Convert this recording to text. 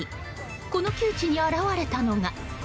この窮地に現れたのが。